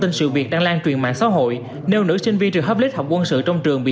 tin sự việc đang lan truyền mạng xã hội nêu nữ sinh viên trường hoplit học quân sự trong trường bị